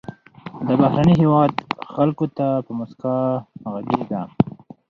د بهرني هېواد خلکو ته په موسکا غږیږه.